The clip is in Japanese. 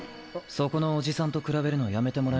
そこのおじさんと比べるのやめてもらえませんか。